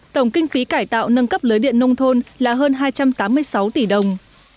tổng kinh phí cải tạo nâng cấp lưới điện nông thôn là hơn hai trăm tám mươi sáu tỷ đồng